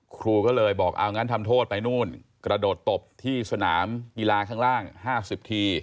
ครูก็เลยบอกเอางั้นทำโทษไปนู่นกระโดดตบที่สนามกีฬาข้างล่าง๕๐ที